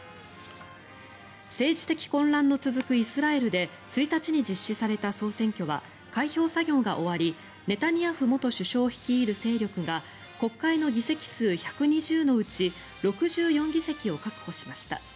政治的混乱の続くイスラエルで１日に実施された総選挙は開票作業が終わりネタニヤフ元首相率いる勢力が国会の議席数１２０のうち６４議席を確保しました。